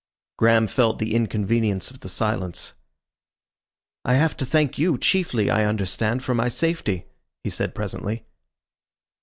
Graham felt the inconvenience of the silence. "I have to thank you chiefly, I understand, for my safety," he said presently.